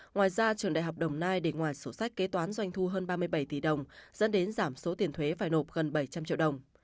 ngoài ra trường đại học đồng nai để ngoài sổ sách kế toán doanh thu hơn ba mươi bảy tỷ đồng dẫn đến giảm số tiền thuế phải nộp gần bảy trăm linh triệu đồng